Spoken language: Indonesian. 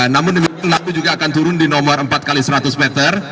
namun api juga akan turun di nomor empat x seratus meter